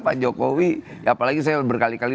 pak jokowi apalagi saya berkali kali